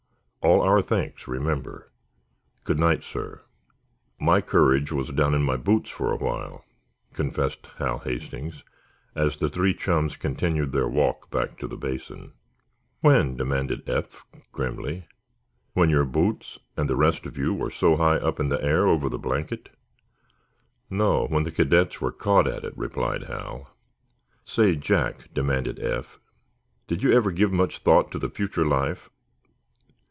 All our thanks, remember. Good night, sir." "My courage was down in my boots for a while," confessed Hal Hastings, as the three chums continued their walk back to the Basin. "When?" demanded Eph, grimly. "When your boots—and the rest of you—were so high up in the air over the blanket?" "No; when the cadets were caught at it," replied Hal. "Say, Jack," demanded Eph, "do you ever give much thought to the future life?"